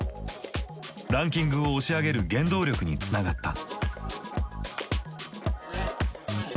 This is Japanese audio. ランキングを押し上げる原動力につながった。